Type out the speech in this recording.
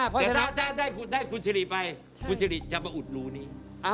แต่ถ้าได้คุณสิริไปคุณสิริจะมาอุดรูนี้